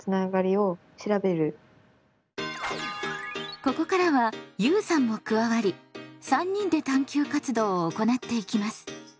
ここからはゆうさんも加わり３人で探究活動を行っていきます。